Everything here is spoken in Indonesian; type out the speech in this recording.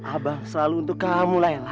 abang selalu untuk kamu laila